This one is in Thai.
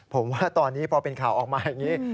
ผมว่าตอนนี้พอเป็นข่าวออกมาอย่างนี้